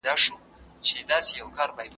د کندهار صنعت کي ترانسپورت څه رول لري؟